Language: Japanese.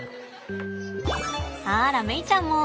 あらメイちゃんも。